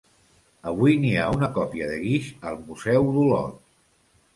Avui n'hi ha una còpia de guix al museu d'Olot.